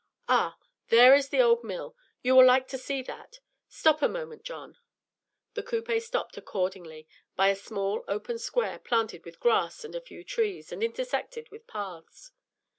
Ah! there is the old Mill; you will like to see that. Stop a moment, John." The coupé stopped accordingly by a small open square, planted with grass and a few trees, and intersected with paths.